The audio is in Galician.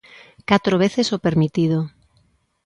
Catro veces o permitido.